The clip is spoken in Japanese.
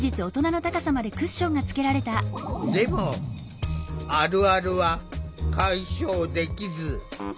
でもあるあるは解消できず。